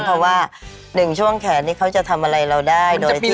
เพราะว่าหนึ่งช่วงแขนนี่เขาจะทำอะไรเราได้โดยที่